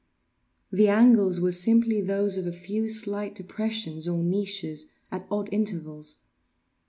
The angles were simply those of a few slight depressions, or niches, at odd intervals.